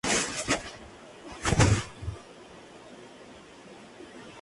El frontispicio central está rematado por una balaustrada de cantería granítica.